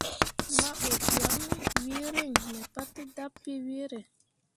Mahɓe biaŋ wee reŋ mi pate dapii weere.